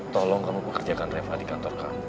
tolong kamu pekerjakan reva di kantor kamu